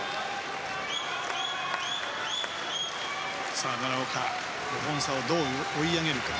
さあ、奈良岡５本差をどう追い上げるか。